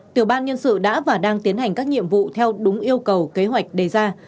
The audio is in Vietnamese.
tiểu ban nhân sự đã và đang tiến hành các nhiệm vụ theo đúng yêu cầu kế hoạch đề ra